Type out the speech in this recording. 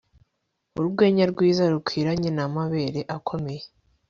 Urwenya rwiza rukwiranye namabere akomeye